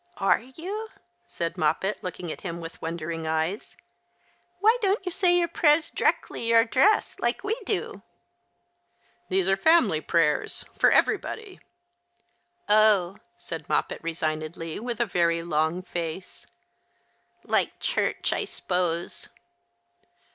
" Ave you ?" said Moppet, looking at him with wonder ing eyes. " Why don't you say your prayers dreckly you're dressed, like we do ?" 120 The C hristmas Hirelings. " These are family prayers, for everybody." " Oh," said Moppet, resignedly, with a very long face, " like church, I s'pose."